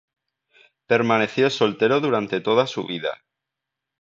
Permaneció soltero durante toda su vida.